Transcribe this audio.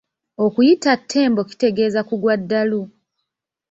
Okuyita Ttembo kitegeeza kugwa ddalu.